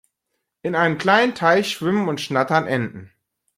In einem kleinen Teich schwimmen und schnattern Enten.